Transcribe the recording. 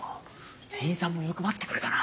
店員さんもよく待ってくれたな。